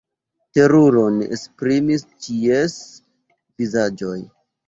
Teruron esprimis ĉies vizaĝoj.